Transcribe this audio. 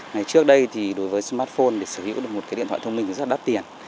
ngày trước đây thì đối với smartphone để sở hữu được một cái điện thoại thông minh rất là đắt tiền